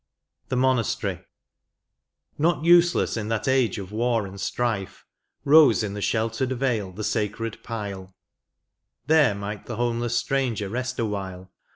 THE MONASTERY. Not useless, in that age of war and strife, Eose in the sheltered vale the sacred pile; There might the homeless stranger rest awhile.